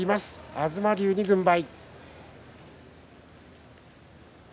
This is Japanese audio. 東龍に軍配。